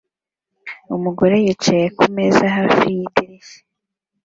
Umugore yicaye kumeza hafi yidirishya